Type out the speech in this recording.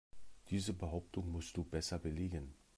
Diese Behauptung musst du besser belegen.